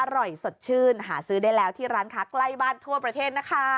อร่อยสดชื่นหาซื้อได้แล้วที่ร้านค้าใกล้บ้านทั่วประเทศนะคะ